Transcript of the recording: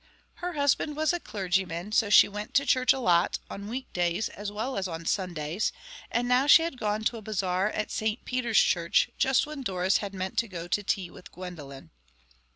Her husband was a clergyman, so she went to church a lot, on week days as well as on Sundays; and now she had gone to a bazaar at St Peter's Church, just when Doris had meant to go to tea with Gwendolen.